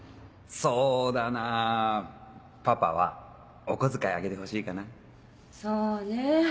そうだなぁパパはお小遣い上げてほしいかなそうね